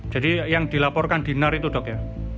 jadi yang dilaporkan di nar itu dok ya